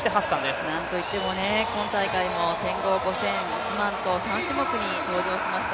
なんといっても今大会、１５００５０００、１００００と３種目に登場しました。